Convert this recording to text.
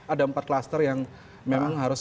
ada empat klaster yang memang harus